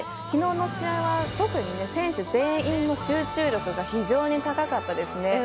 きのうの試合は特に、選手全員の集中力が非常に高かったですね。